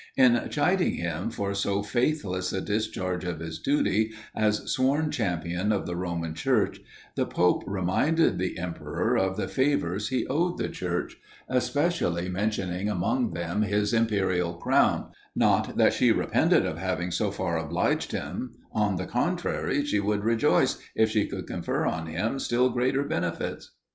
In chiding him for so faithless a discharge of his duty, as sworn champion of the Roman Church, the pope reminded the emperor of the favours he owed that Church, especially mentioning among them his imperial crown: "not that she repented of having so far obliged him, on the contrary, she would rejoice if she could confer on him still greater benefits."